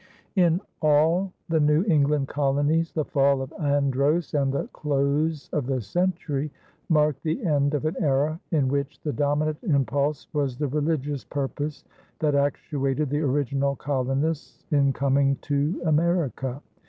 In all the New England colonies, the fall of Andros and the close of the century marked the end of an era in which the dominant impulse was the religious purpose that actuated the original colonists in coming to America.